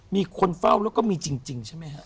มีคนเฝ้าแล้วก็มีจริงใช่ไหมฮะ